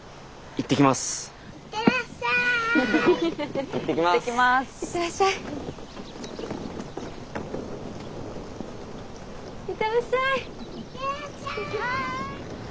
行ってらっしゃい！